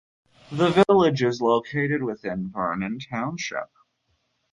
The village is located within Vernon Township.